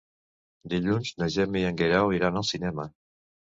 Dilluns na Gemma i en Guerau iran al cinema.